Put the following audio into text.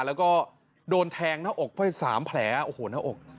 แล้วก็โดนแทงหน้าอกไป๓แผลโอ้โหหน้าอก